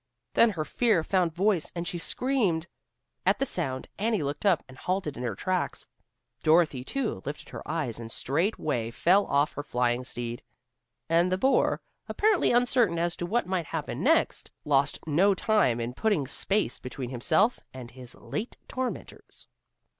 Then her fear found voice and she screamed. At the sound Annie looked up, and halted in her tracks. Dorothy, too, lifted her eyes and straightway fell off her flying steed. And the boar, apparently uncertain as to what might happen next, lost no time in putting space between himself and his late tormentors.